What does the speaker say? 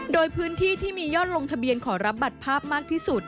โดยพื้นที่ที่มียอดลงทะเบียนขอรับบัตรภาพมากที่สุด